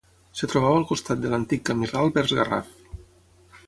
Es trobava al costat de l'antic camí ral vers Garraf.